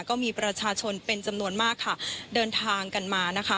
ก็มีประชาชนเป็นจำนวนมากค่ะเดินทางกันมานะคะ